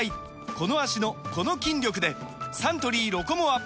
この脚のこの筋力でサントリー「ロコモア」！